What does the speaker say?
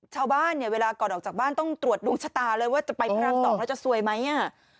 ชาวบ้านเนี่ยเวลาก่อนออกจากบ้านต้องตรวจดวงชะตาเลยว่าจะไปพระราม๒แล้วจะซวยไหม